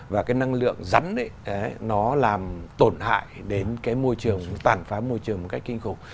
và cái năng lượng rắn ấy nó làm tổn hại đến cái môi trường tàn phá môi trường một cách kinh khủng